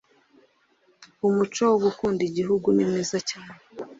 umuco wo gukunda Igihugu nimwiza cyane